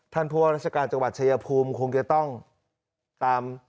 ท่านผัวรัฐการณ์จังหวัดเชยภูมิคงจะต้องตาม